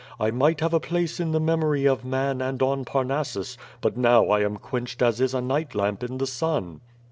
I might have a place in the memory of man and on Parnassus, but now I am quenched as is a night lamp in the sun."